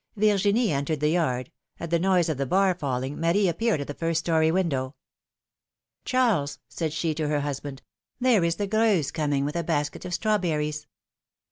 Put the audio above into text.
Y IRGINIE entered the yard ; at the noise of the bar falling, Marie appeared at the first story window. Charles, said she, to her husband, there is the Greuze coming with a basket of strawberries.